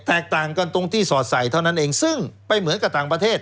แตกต่างกันตรงที่สอดใส่เท่านั้นเองซึ่งไปเหมือนกับต่างประเทศ